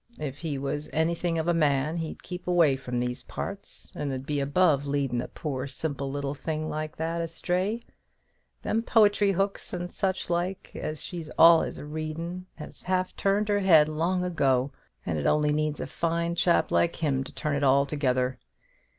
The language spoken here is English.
If he was anything of a man, he'd keep away from these parts, and 'ud be above leadin' a poor simple little thing like that astray. Them poetry hooks and such like, as she's allus a readin', has half turned her head long ago, and it only needs a fine chap like him to turn it altogether.